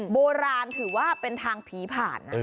โบราณถือว่าเป็นทางผีผ่านนะ